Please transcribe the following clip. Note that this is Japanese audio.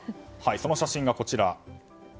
その写真が、こちら。